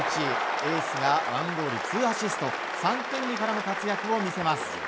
エースが１ゴール２アシスト３点に絡む活躍を見せます。